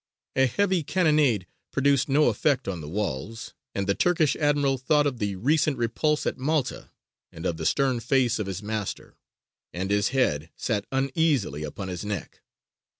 A heavy cannonade produced no effect on the walls, and the Turkish admiral thought of the recent repulse at Malta, and of the stern face of his master; and his head sat uneasily upon his neck.